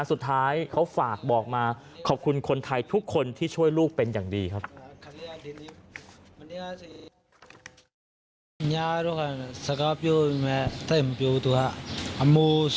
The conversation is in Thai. สุดท้ายเขาฝากบอกมาขอบคุณคนไทยทุกคนที่ช่วยลูกเป็นอย่างดีครับ